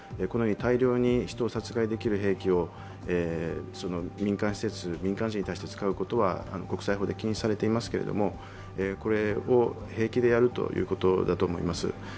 このように大量に殺害できる兵器を民間施設・民間人に対して使うことは国際法で禁止されていますが、これを平気でやるということだと思います。